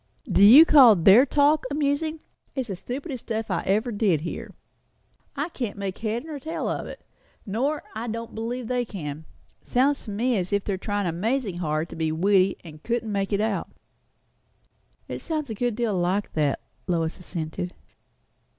"Do you call their talk amusing? It's the stupidest stuff I ever did hear. I can't make head or tail of it; nor I don't believe they can. Sounds to me as if they were tryin' amazin' hard to be witty, and couldn't make it out." "It sounds a good deal like that," Lois assented.